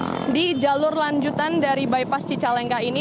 jadi sempat terjadi kepadatan di jalur lanjutan dari bypass cicalengka ini